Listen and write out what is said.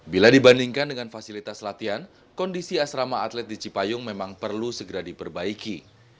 bila dibandingkan dengan fasilitas latihan kondisi asrama atlet di cipayung memang perlu segera diperbaiki